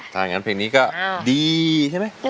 ถ้าอย่างนั้นเพลงนี้ก็ดีใช่ไหม